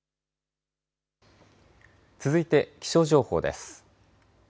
続いて気象情報です。